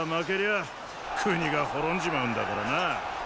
ァ国が滅んじまうんだからなァ。